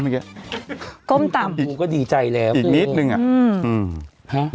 เมื่อกี้ก้มตามดูก็ดีใจแล้วอีกนิดนึงอ่ะอืมอืมฮะ